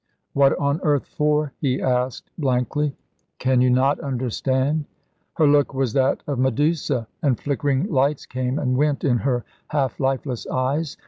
"What on earth for?" he asked blankly. "Can you not understand?" Her look was that of Medusa, and flickering lights came and went in her half lifeless eyes.